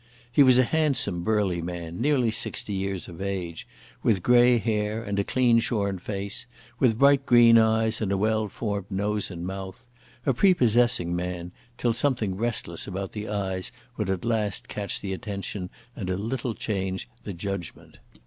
He was a handsome burly man, nearly sixty years of age, with grey hair and clean shorn face, with bright green eyes, and a well formed nose and mouth, a prepossessing man, till something restless about the eyes would at last catch the attention and a little change the judgment.